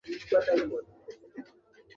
চিনোর ভাবনাটাই আসল।